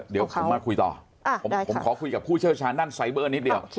เดี๋ยวผมมาคุยต่อผมขอคุยกับผู้เชี่ยวชาญด้านไซเบอร์นิดเดียว